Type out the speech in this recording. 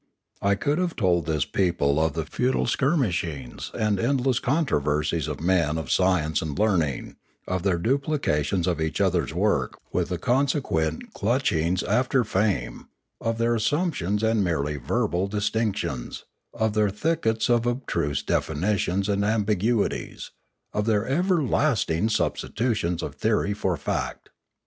I could have told this people of the futile skirmishings and endless controversies of the men of science and learning, of their duplications of each other's work with the consequent clutchings after The Manora and the Imanora 549 fame, of their assumptions and merely verbal distinc tions, of their thickets of abstruse definitions and am biguities, of their everlasting substitutions of theory for fact.